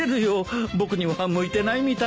僕には向いてないみたいだ。